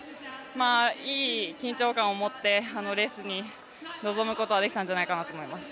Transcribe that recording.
いい緊張感を持ってレースに臨むことはできたんじゃないかと思います。